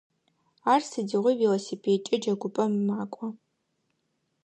Ар сыдигъуи велосипедкӏэ джэгупӏэм мэкӏо.